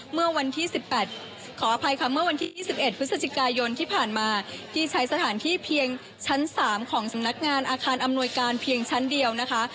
เมื่อวันที่๑๑พฤศจิกายนที่ผ่านมาที่ใช้สถานที่เพียงชั้น๓ของสำนักงานอาคารอำนวยการเพียงชั้นเดียวนะคะ